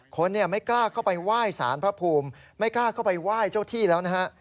คนไม่กล้าเข้าไปไหว้สารพระภูมิไม่กล้าเข้าไปไหว้เจ้าที่แล้วนะฮะ